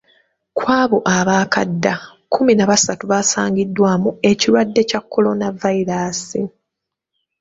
Kw'abo abaakadda, kkumi na basatu basangiddwamu ekirwadde kya Kolonavayiraasi.